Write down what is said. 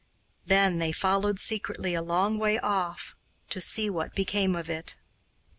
Then they followed secretly a long way off to see what became of it.